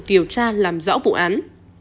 điều tra làm rõ vụ án